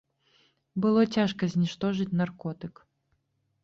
Было цяжка зніштожыць наркотык.